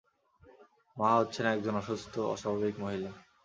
মা হচ্ছেন একজন অসুস্থ, অস্বাভাবিক মহিলা।